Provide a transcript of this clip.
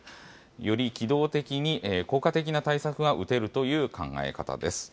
より機動的に、効果的な対策が打てるという考え方です。